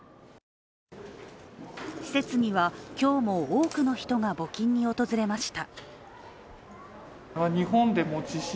施設には今日も多くの人が募金に訪れました。